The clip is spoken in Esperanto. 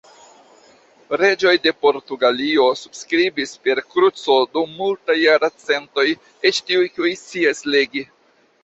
Reĝoj de Portugalio subskribis per kruco dum multaj jarcentoj, eĉ tiuj kiuj scias legi.